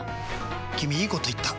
君いいこと言った！